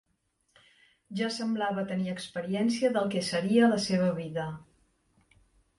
Ja semblava tenir experiència del que seria la seva vida.